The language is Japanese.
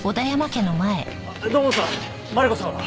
土門さんマリコさんは？